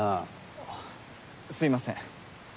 あっすいません。